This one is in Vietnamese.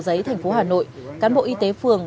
giấy thành phố hà nội cán bộ y tế phường